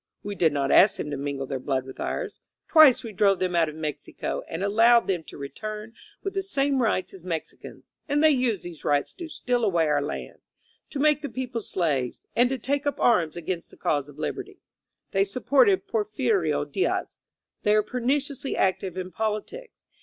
We did not ask them to mingle their blood with ours. Twice we drove them out of Mexico and 128 A PEON IN POLITICS allowed them to return with the same rights as Mex icans, and they used these rights to steal away our land, to make the people slaves, and to take up arms against the cause of liberty. They supported Porfirio Diaz. They were perniciously active in politics.